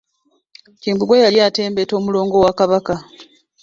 Kimbugwe yali atembeeta omulongo wa kabaka.